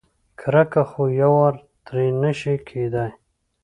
کرکه خو یوار ترې نشي کېدای.